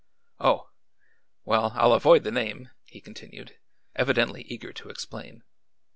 "Oh. Well, I'll avoid the name," he continued, evidently eager to explain.